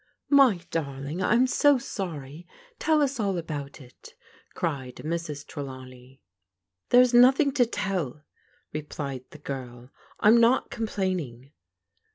*' My darling, I'm so sorry; tell us all about it," cried Mrs. Trelawney. " There's nothmg to tell," replied the girl. " I'm not complaining."